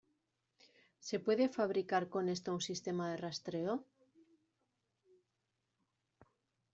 ¿ se puede fabricar con esto un sistema de rastreo?